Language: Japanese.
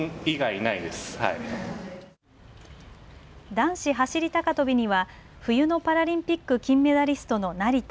男子走り高跳びには冬のパラリンピック金メダリストの成田。